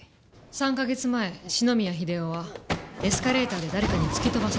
３カ月前四ノ宮英夫はエスカレーターで誰かに突き飛ばされた。